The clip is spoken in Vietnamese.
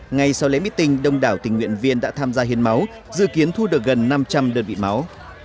ngay sau lễ meeting đông đảo tình nguyện viên đã tham gia hiến máu dự kiến thu được gần năm trăm linh đơn vị máu